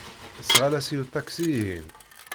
Sɣel-as i uṭaksi-ihin.